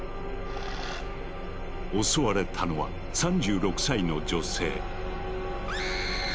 襲われたのは３６歳の女性。